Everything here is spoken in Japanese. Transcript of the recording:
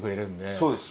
そうです